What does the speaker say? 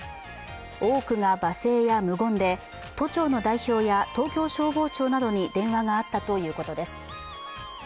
多くが罵声や無言で、都庁の代表や東京消防庁などに電話があったということです